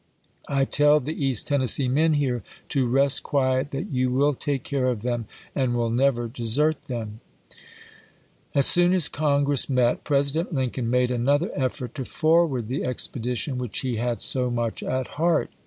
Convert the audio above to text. " I tell ^^ w? R.'^'^'' the East Tennessee men here to rest quiet ; that you pp^'itJ^ss. will take care of them, and will never desert them." As soon as Congress met. President Lincoln made another effort to forward the expedition which he had so much at heart.